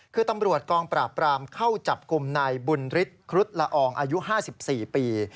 คือตำรวจกองปราบปรามเข้าจับกลุ่มนายบุญฤทธิครุฑละอองอายุ๕๔ปี